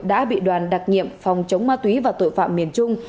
đã bị đoàn đặc nhiệm phòng chống ma túy và tội phạm miền trung